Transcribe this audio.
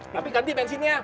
tapi ganti mesinnya